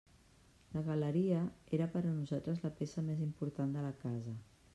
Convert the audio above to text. La galeria era per a nosaltres la peça més important de la casa.